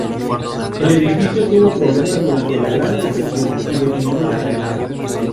El edificio tuvo problemas durante la Gran Depresión, y declinó lentamente.